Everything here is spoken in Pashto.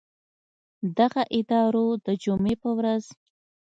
دغه ادارو د جمعې په ورځ